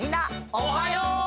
おはよう！